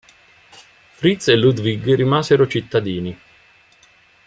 Fritz e Ludwig rimasero cittadini.